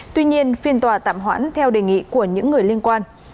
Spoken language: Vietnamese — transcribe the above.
tuy nhiên phiên tòa tạm hoãn theo đề nghị của những người liên quan